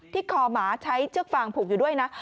คอหมาใช้เชือกฟางผูกอยู่ด้วยนะ